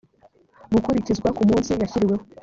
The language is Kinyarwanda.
gukurikizwa ku munsi yashyiriweho